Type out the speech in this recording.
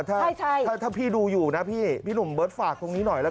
ใช่ใช่ถ้าพี่ดูอยู่นะพี่พี่หนุ่มเบิร์ดฝากตรงนี้หน่อยล่ะค่ะ